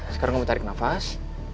sekarang kamu tarik nafas